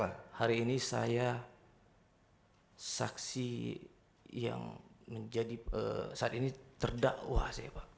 karena hari ini saya saksi yang menjadi saat ini terdakwa saya pak